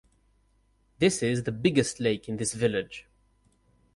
This is the biggest lake in this village.